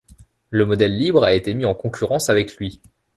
Le modèle libre a été mis en concurrence avec lui.